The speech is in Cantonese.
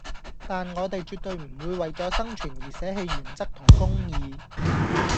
但我地絕對唔會為左生存而捨棄原則同公義